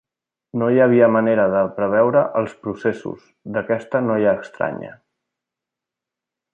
No hi havia manera de preveure els processos d'aquesta noia estranya.